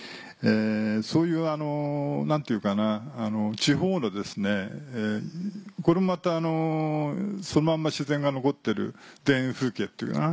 そういう何ていうかな地方のこれもまたそのまんま自然が残ってる田園風景っていうかな。